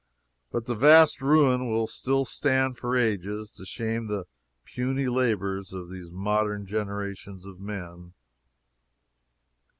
But the vast ruin will still stand for ages, to shame the puny labors of these modern generations of men.